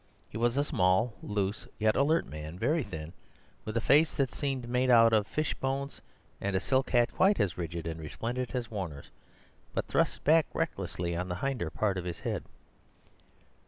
He was a small, loose, yet alert man, very thin, with a face that seemed made out of fish bones, and a silk hat quite as rigid and resplendent as Warner's, but thrust back recklessly on the hinder part of his head.